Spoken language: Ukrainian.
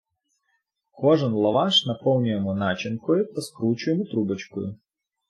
Кожен лаваш наповнюємо начинкою та скручуємо трубочкою.